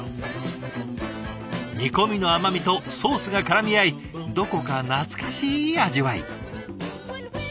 煮込みの甘みとソースがからみ合いどこか懐かしい味わい。